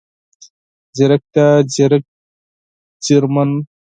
ځيرکتيا، ځیرک، ځیرمن،